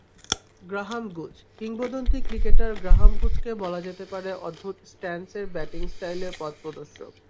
Graham গুচকিংবদন্তি cricketer Graham গুচকে বলা যেতে পারে অদ্ভুত স্ট্যান্সের ব্যাটিং স্টাইলের পথপ্রদর্শক।